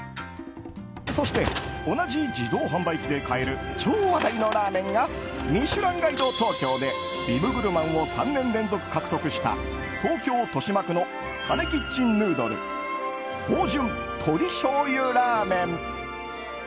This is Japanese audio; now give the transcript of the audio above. そして、同じ自動販売機で買える超話題のラーメンが「ミシュランガイド東京」でビブグルマンを３年連続で獲得した東京・豊島区のカネキッチンヌードル芳醇鶏醤油らぁめん。